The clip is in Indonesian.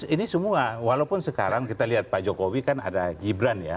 ini semua walaupun sekarang kita lihat pak jokowi kan ada gibran ya